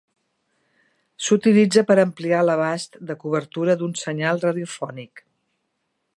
S'utilitza per ampliar l'abast de cobertura d'un senyal radiofònic.